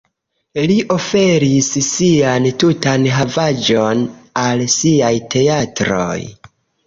Li oferis sian tutan havaĵon al siaj teatroj.